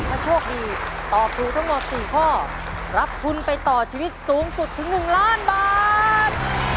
ถ้าโชคดีตอบถูกทั้งหมด๔ข้อรับทุนไปต่อชีวิตสูงสุดถึง๑ล้านบาท